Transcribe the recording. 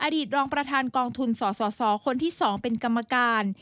อดีตรองประธานกองทุนสสคนที่๒เป็นกรรมการ